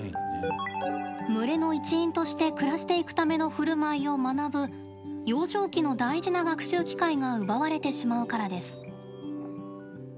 群れの一員として暮らしていくためのふるまいを学ぶ幼少期の大事な学習機会が奪われてしまうからです。